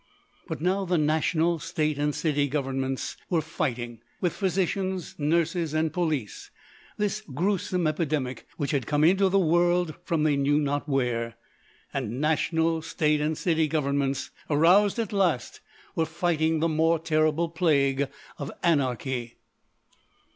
But now the National, State and City governments were fighting, with physicians, nurses, and police, this gruesome epidemic which had come into the world from they knew not where. And National, State and City governments, aroused at last, were fighting the more terrible plague of anarchy.